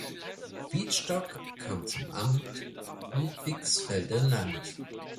Wietstock kam zum Amt Ludwigsfelde-Land.